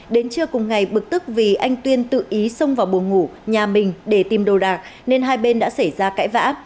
đến trưa cùng ngày bực tức vì anh tuyên tự ý xông vào buồng ngủ nhà mình để tìm đồ đạc nên hai bên đã xảy ra cãi vã